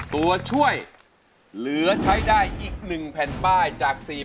ตัวช่วยเหลือใช้ได้อีก๑แผ่นบ้ายจากเพลงนี้ครับ